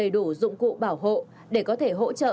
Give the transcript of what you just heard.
đủ dụng cụ bảo hộ để có thể hỗ trợ